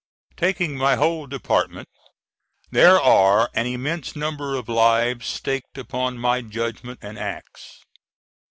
Taking my whole department, there are an immense number of lives staked upon my judgment and acts.